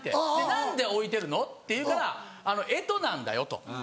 「何で置いてるの？」って言うから「干支なんだよ」と。